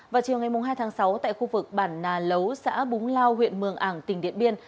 vào chiều ngày hai tháng sáu tại khu vực bản nà lấu xã búng lao huyện mường ảng tỉnh điện biên